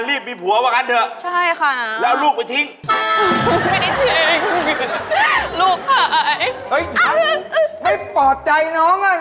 ตกปากไปได้หนูตกปากไปเลย